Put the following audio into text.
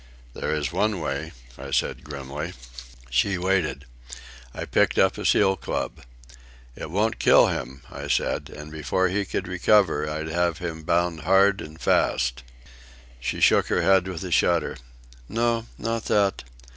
"There is one way," I said grimly. She waited. I picked up a seal club. "It won't kill him," I said. "And before he could recover I'd have him bound hard and fast." She shook her head with a shudder. "No, not that.